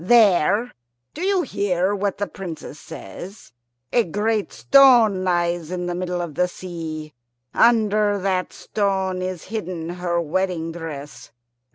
There do you hear what the Princess says? a great stone lies in the middle of the sea. Under that stone is hidden her wedding dress.